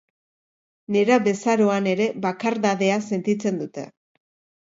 Nerabezaroan ere bakardadea sentitzen dute.